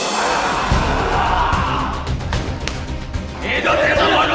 saya harap terhani